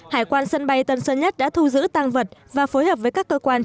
hải quan sân bay tân sơn nhất đã thu giữ tăng vật và phối hợp với các cơ quan